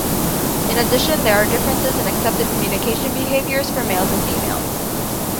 In addition, there are differences in accepted communication behaviors for males and females.